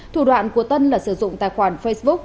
thủ đoạn của tân là sử dụng tài khoản facebook